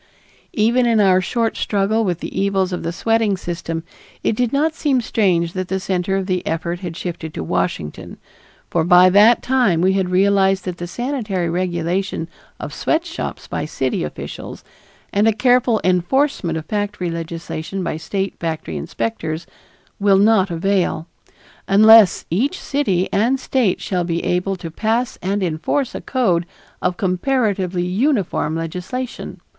Even in our short struggle with the evils of the sweating system it did not seem strange that the center of the effort had shifted to Washington, for by that time we had realized that the sanitary regulation of sweatshops by city officials, and a careful enforcement of factory legislation by state factory inspectors will not avail, unless each city and State shall be able to pass and enforce a code of comparatively uniform legislation.